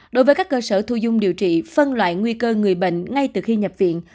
đối với các cơ sở thu dung điều trị phân loại nguy cơ người bệnh ngay từ khi nhập viện